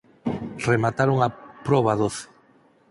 Remataron a proba doce.